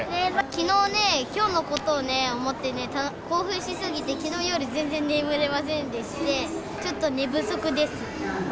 きのうね、きょうのことをね、思ってね、興奮し過ぎて、きのう夜、全然眠れませんでして、ちょっと寝不足です。